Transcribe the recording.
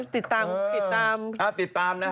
ติดตามอยากติดตาม